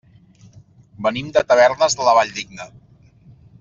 Venim de Tavernes de la Valldigna.